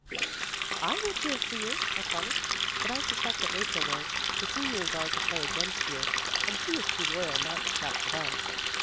" I will cheer for you," I promised, " but I suspect that Rachel won't. The seniors are to play against you, and she is too loyal not to shout for them."